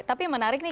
tapi menarik nih